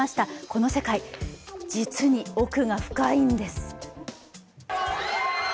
この世界、実に奥が深いんです。